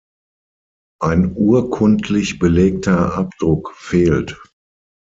Ein urkundlich belegter Abdruck fehlt.